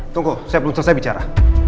tunggu saya belum selesai bicara